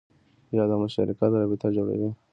یا د مشارکت رابطه جوړوي